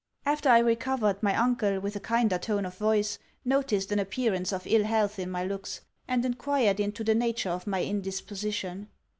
After I recovered, my uncle, with a kinder tone of voice, noticed an appearance of ill health in my looks, and enquired into the nature of my indisposition.